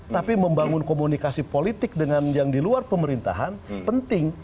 tapi membangun komunikasi politik dengan yang di luar pemerintahan penting